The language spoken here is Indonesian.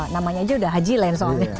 namanya aja udah hajilin soalnya